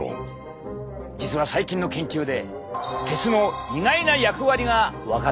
実は最近の研究で鉄の意外な役割が分かってきたのだ。